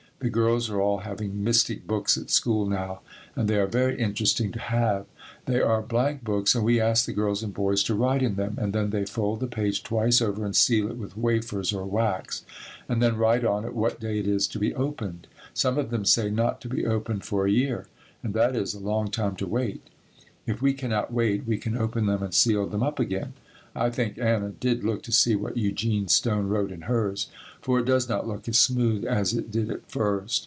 The girls are all having mystic books at school now and they are very interesting to have. They are blank books and we ask the girls and boys to write in them and then they fold the page twice over and seal it with wafers or wax and then write on it what day it is to be opened. Some of them say, "Not to be opened for a year," and that is a long time to wait. If we cannot wait we can open them and seal them up again. I think Anna did look to see what Eugene Stone wrote in hers, for it does not look as smooth as it did at first.